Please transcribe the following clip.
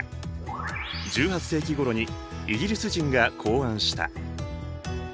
１８世紀ごろにイギリス人が考案した。